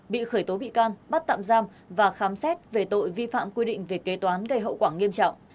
bị khởi tố bị can bắt tạm giam và khám xét về tội vi phạm quy định về kế toán gây hậu quả nghiêm trọng